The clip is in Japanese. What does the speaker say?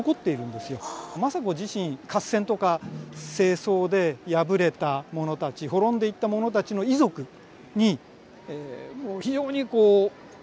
政子自身合戦とか政争で敗れた者たち滅んでいった者たちの遺族に非常に手厚く保護を加えると。